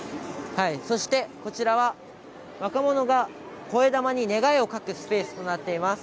そしてこちらは若者がこえだまに願いを書くスペースとなっています。